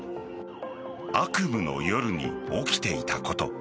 悪夢の夜に起きていたこと。